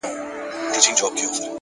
زده کړه د کشف دوامداره سفر دی’